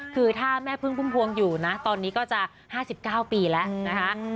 คือถ้าแม่พึ่งพุ่มพวงอยู่นะตอนนี้ก็จะ๕๙ปีแล้วนะคะ